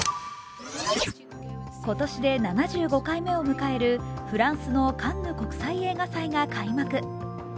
今年で７５回目を迎えるフランスのカンヌ国際映画祭が開幕。